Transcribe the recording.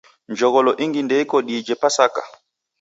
Jogholo ingi ndeiko diije Pasaka?